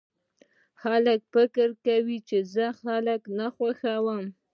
خلک فکر کوي چې زه خلک نه خوښوم